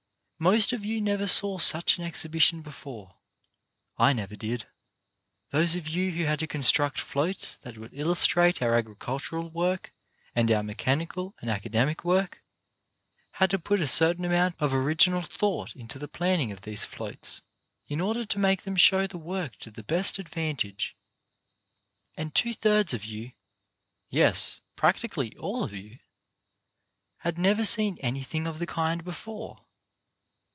Most of you never saw such an ex hibition before; I never did. Those of you who had to construct floats that would illustrate our agricultural work and our mechanical and acad emic work, had to put a certain amount of original thought into the planning of these floats, in order to make them show the work to the best ad van EDUCATION THAT EDUCATES 97 tage ; and two thirds of you — yes, practically all of you — had never seen anything of the kind before.